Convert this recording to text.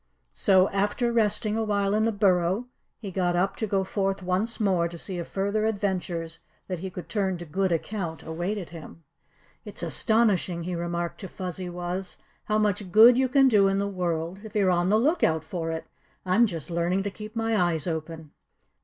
So after resting a while in the burrow, he got up to go forth once more to see if further adventures that he could turn to good account awaited him. "It's astonishing," he remarked to Fuzzy Wuzz, "how much good you can do in the world if you're on the lookout for it. I'm just learning to keep my eyes open."